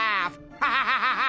アハハハハ！